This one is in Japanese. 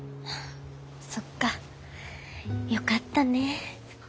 そっかよかったね。